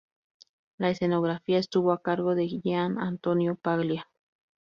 La escenografía estuvo a cargo de Gian Antonio Paglia.